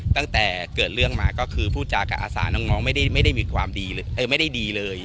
ตั้งแต่เกิดเรื่องมาก็คือพูดจากับอาสาน้องไม่ได้มีความดีเลยไม่ได้ดีเลย